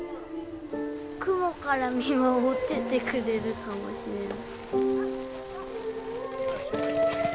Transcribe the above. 雲から見守っててくれるかもしれない。